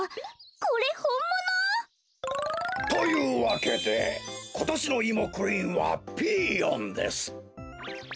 これほんもの！？というわけでことしのイモクイーンはピーヨンです。